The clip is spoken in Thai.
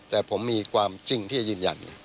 แต่ผมมีความจริงที่จะยืนยัน